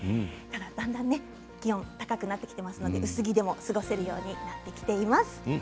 だんだん気温が高くなってきていますので薄着でも過ごせるようになってきています。